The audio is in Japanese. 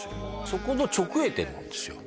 そこの直営店なんですよ